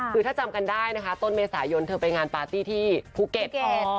คือถ้าจำกันได้นะคะต้นเมษายนเธอไปงานปาร์ตี้ที่ภูเก็ต